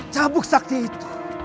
cabuk sakti itu